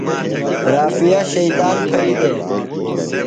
رافعہ شیطان پھئیۡ دےۡ۔